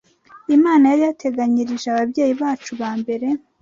Imana yari yarateganyirije ababyeyi bacu ba mbere